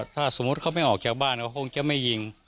ถ้าสมมุติเขาไม่ออกจากบ้านเขาคงจะไม่ยิง